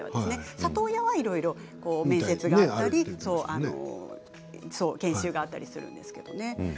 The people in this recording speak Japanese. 里親は、いろいろ面接があったり研修があったりするんですけどね。